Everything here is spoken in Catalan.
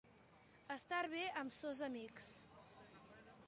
Estar bé amb sos amics.